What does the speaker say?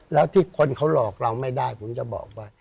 แล้วที่คนเขาหลอกเราไม่ได้ผมจะบอกว่า